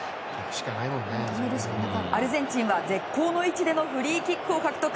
アルゼンチンは絶好の位置でのフリーキックを獲得。